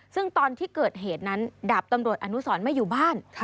ซึ่งตอนที่เกิดเหตุนั้นดาบตำรวจอนุสรไม่อยู่บ้าน